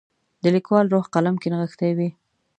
د لیکوال روح قلم کې نغښتی وي.